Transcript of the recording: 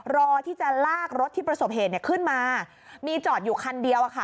รอที่จะลากรถที่ประสบเหตุขึ้นมามีจอดอยู่คันเดียวอะค่ะ